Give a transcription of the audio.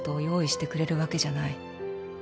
「用意してくれるわけじゃない」